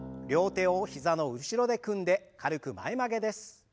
両手を膝の後ろで組んで軽く前曲げです。